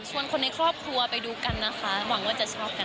คนในครอบครัวไปดูกันนะคะหวังว่าจะชอบกัน